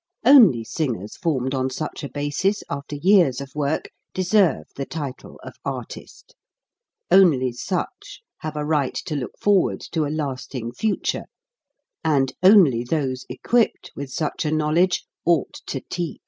Only singers formed on such a basis, after years of work, deserve the title of artist; only such have a right to look forward to a lasting future, and only those equipped with such a knowledge ought to teach.